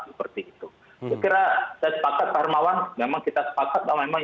saya kira saya sepakat pak hermawan memang kita sepakat bahwa memang